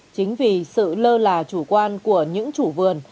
chính vì sự lơ là chủ quan của những chủ vườn